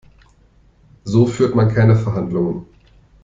So führt man keine Verhandlungen.